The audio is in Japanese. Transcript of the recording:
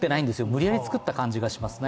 無理やり作った感じがしますね。